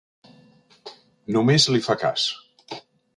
Només li fa cas.